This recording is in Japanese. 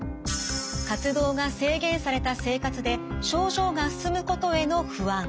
活動が制限された生活で症状が進むことへの不安。